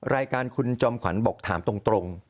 รายการคุณจอมขวัญบอกถามตรง